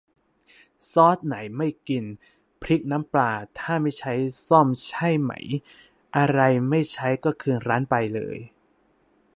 ซอสไหนไม่กิน พริกน้ำปลาถ้าไม่ใช้ ส้อมใช้ไหม อะไรไม่ใช้ก็คืนร้านไปเลย